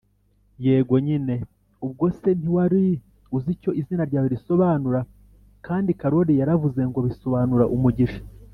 Yego nyine Ubwo se ntiwari uzi icyo izina ryawe risobanura, kandi karoli yaravuze ngo bisobanura umugisha